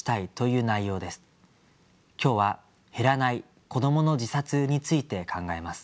今日は「減らない子どもの自殺」について考えます。